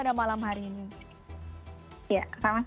terima kasih sudah bergabung dengan kita